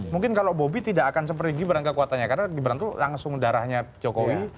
mungkin kalau bobi tidak akan seperti gibran kekuatannya karena gibran itu langsung darahnya jokowi